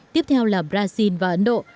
tiếp theo là brazil và ấn độ